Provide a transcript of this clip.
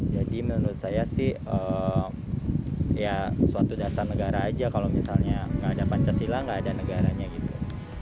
jadi menurut saya sih ya suatu dasar negara aja kalau misalnya nggak ada pancasila nggak ada negaranya gitu